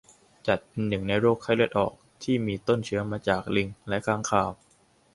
จัดเป็นหนึ่งในโรคไข้เลือดออกที่มีต้นเชื้อมาจากลิงและค้างคาว